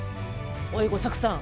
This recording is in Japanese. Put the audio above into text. おい吾作さん。